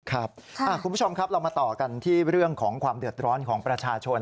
คุณผู้ชมครับเรามาต่อกันที่เรื่องของความเดือดร้อนของประชาชน